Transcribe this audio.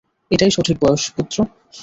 এটাই সঠিক বয়স, পুত্র।